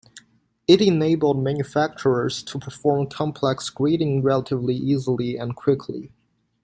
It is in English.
It enabled manufacturers to perform complex grading relatively easily and quickly.